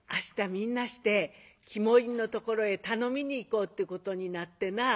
みんなして肝煎りのところへ頼みに行こうってことになってな」。